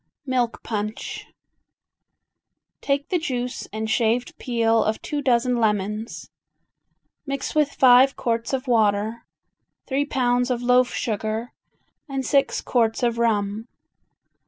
Milk Punch Take the juice and shaved peel of two dozen lemons, mix with five quarts of water, three pounds of loaf sugar and six quarts of rum.